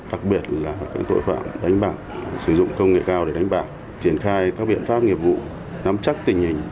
đặc biệt là tội phạm đánh bạc sử dụng công nghệ cao để đánh bạc triển khai các biện pháp nghiệp vụ nắm chắc tình hình